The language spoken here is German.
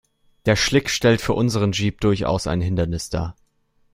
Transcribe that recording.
Der Schlick stellt für unseren Jeep durchaus ein Hindernis dar.